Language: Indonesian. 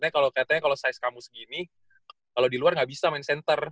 kalau katanya kalau size kamu segini kalau di luar nggak bisa main center